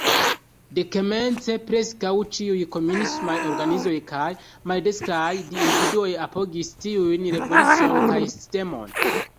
Dekomence preskaŭ ĉiuj komunismaj organizoj kaj maldekstraj individuoj apogis tiujn revolucion kaj sistemon.